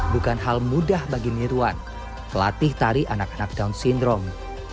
bukan hal mudah bagi nirwan pelatih tari anak anak down syndrome